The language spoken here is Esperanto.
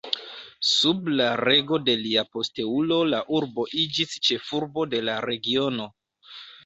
Sub la rego de lia posteulo la urbo iĝis ĉefurbo de la regiono.